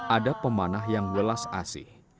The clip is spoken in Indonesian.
ada pemanah yang welas asih